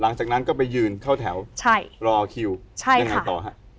หลังจากนั้นก็ไปยืนเข้าแถวรอคิวยังไงต่อฮะ